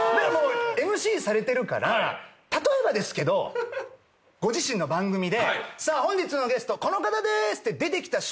⁉ＭＣされてるから例えばですけどご自身の番組でさあ本日のゲストこの方でーすって。